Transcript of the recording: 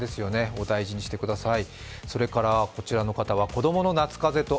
お大事にしてください。